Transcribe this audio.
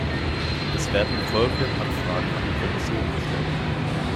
Es werden die folgenden Anfragen an die Kommission gestellt.